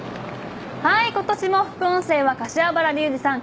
今年も副音声は柏原竜二さん